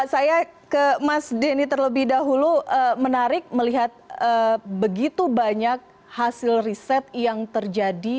saya ke mas denny terlebih dahulu menarik melihat begitu banyak hasil riset yang terjadi